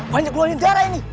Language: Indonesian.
banyak luar biasa ini